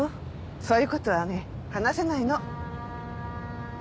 そういう事はね話せないの。